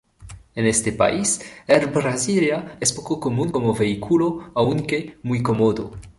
En este país, el Brasilia es poco común como vehículo, aunque muy cómodo.